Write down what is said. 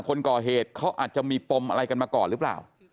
คนก่อเหตุเขาอาจจะมีปมอะไรกันมาก่อนหรือเปล่า